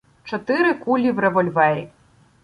Чотири кулі в револьвері.